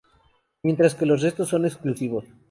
Mientras que los restos son exclusivos.